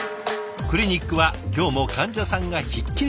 クリニックは今日も患者さんがひっきりなし。